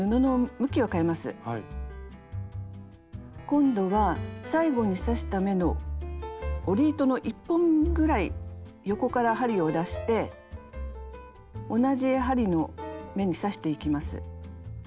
今度は最後に刺した目の織り糸の１本ぐらい横から針を出して同じ針の目に刺していきます。